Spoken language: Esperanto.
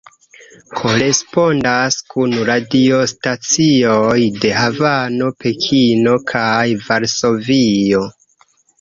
Korespondas kun radiostacioj de Havano, Pekino, kaj Varsovio.